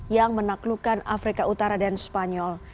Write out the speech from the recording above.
yang menaklukkan afrika utara dan spanyol